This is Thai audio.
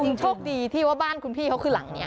เชิญชกดีที่ว่าบ้านคุณพี่เขาที่หลังนี่